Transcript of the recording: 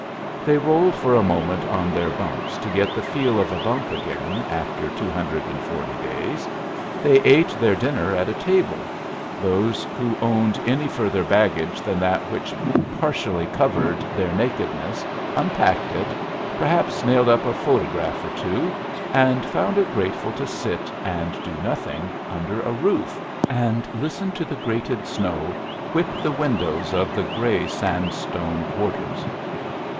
They rolled for a moment on their bunks to get the feel of a bunk again after two hundred and forty days; they ate their dinner at a table; those who owned any further baggage than that which partially covered their nakedness unpacked it, perhaps nailed up a photograph or two, and found it grateful to sit and do nothing under a roof and listen to the grated snow whip the windows of the gray sandstone quarters.